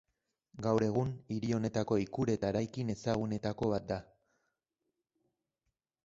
Gaur egun, hiri honetako ikur eta eraikin ezagunetako bat da.